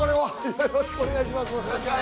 よろしくお願いします！